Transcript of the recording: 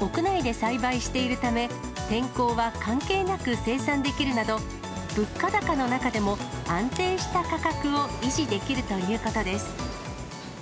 屋内で栽培しているため、天候は関係なく生産できるなど、物価高の中でも安定した価格を維持できるということです。